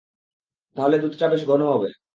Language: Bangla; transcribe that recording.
তাহলে দুধটা বেশ ঘন হবে।